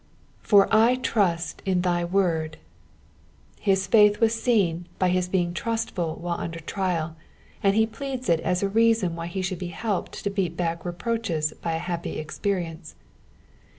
*^^For I trust in thy word.'''* His faith was seen by his being trustful while under trial, and he pleads it as a reason why he should be helped to beat back reproaches by a happy experience.